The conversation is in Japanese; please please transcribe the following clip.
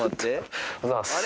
おはようございます。